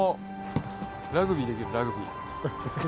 ラグビーできるラグビー。